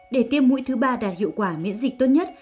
để tiêm mũi thứ ba đạt hiệu quả miễn dịch tốt nhất